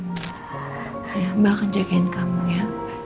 mbak akan jagain kamu ya